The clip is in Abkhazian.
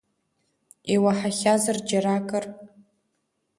Иуаҳахьазар џьаракыр?